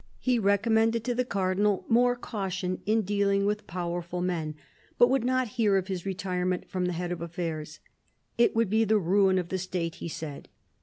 He recommended to the Cardinal more caution in dealing with powerful men, but would not hear of his retirement from the head of affairs. It would be the ruin of the State, he said.